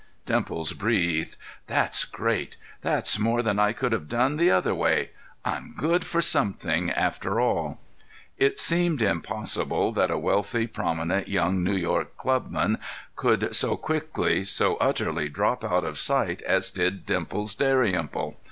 '" Dimples breathed. "That's great! That's more than I could have done the other way. I'm good for something, after all." It seemed impossible that a wealthy, prominent young New York club man could so quickly, so utterly drop out of sight as did Dimples Dalrymple.